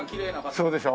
そうでしょ？